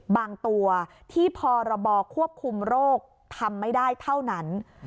บางตัวที่พรบควบคุมโรคทำไม่ได้เท่านั้น